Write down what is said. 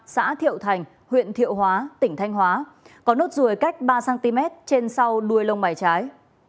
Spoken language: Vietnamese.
xã thiệu thành huyện thiệu hóa tỉnh thanh hóa có nốt ruồi cách ba cm trên sau đuôi lông bài trái